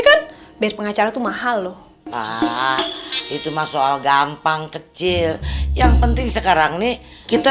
kan biar pengacara tuh mahal loh itu mah soal gampang kecil yang penting sekarang nih kita